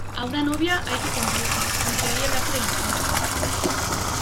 a una novia hay que cumplirlo, aunque haya que hacer el tonto